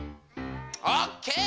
オッケー！